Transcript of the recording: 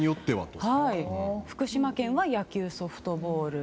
福島県は野球・ソフトボール。